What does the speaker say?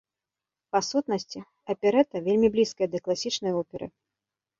Па сутнасці, аперэта вельмі блізкая да класічнай оперы.